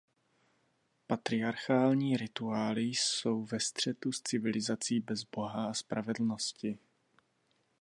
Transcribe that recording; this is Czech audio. Patriarchální rituály jsou ve střetu s civilizací bez boha a spravedlnosti.